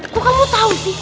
kok kamu tau sih